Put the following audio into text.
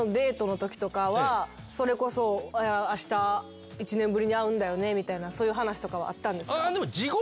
それこそあした１年ぶりに会うんだよねみたいなそういう話とかはあったんですか？